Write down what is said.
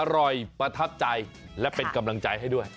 ประทับใจและเป็นกำลังใจให้ด้วย